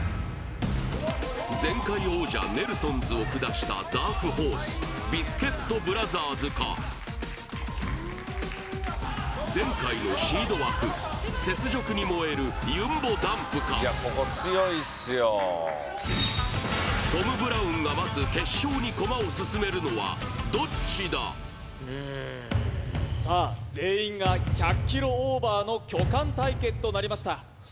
前回王者ネルソンズを下したダークホースビスケットブラザーズか前回のシード枠雪辱に燃えるゆんぼだんぷかトム・ブラウンが待つ決勝に駒を進めるのはどっちださあ全員が１００ｋｇオーバーの巨漢対決となりました